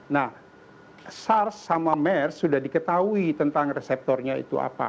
nah sars sama mers sudah diketahui tentang reseptornya itu apa